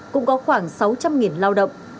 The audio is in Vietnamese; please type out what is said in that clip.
cũng có khoảng sáu trăm linh lao động